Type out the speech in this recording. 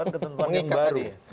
ketentuan ketentuan yang baru